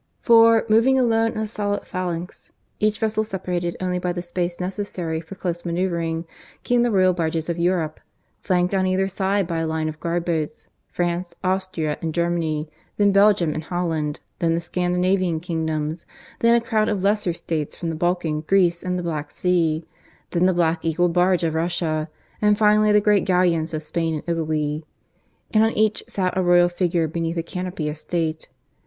For, moving alone in a solid phalanx, each vessel separated only by the space necessary for close manoeuvring, came the royal barges of Europe, ranked on either side by a line of guard boats France, Austria, and Germany, then Belgium and Holland, then the Scandinavian kingdoms, then a crowd of lesser States from the Balkan, Greece, and the Black Sea; then the black eagled barge of Russia, and finally the great galleons of Spain and Italy: and on each sat a royal figure beneath a canopy of state.